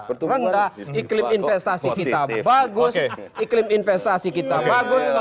pertumbuhan iklim investasi kita bagus iklim investasi kita bagus